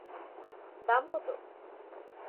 দাম কত?